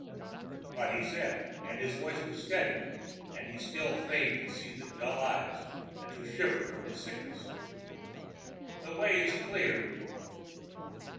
But he said, and his voice was steady, and he still feigned to see with dull eyes and to shiver from his sickness: "The way is clear."